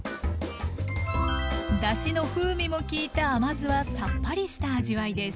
だしの風味も効いた甘酢はさっぱりした味わいです。